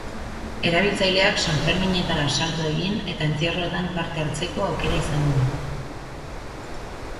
Erabiltzaileak sanferminetara salto egin eta entzierroetan parte hartzeko aukera izango du.